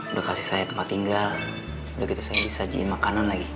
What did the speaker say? udah kasih saya tempat tinggal udah gitu saya bisa jadi makanan lagi